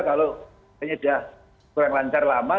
kalau kurang lancar lama